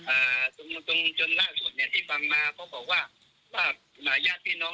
อาธิบาปแล้วใครจะไปไล่เขาอย่างนั้นหมายความว่าก็อาจจะเป็น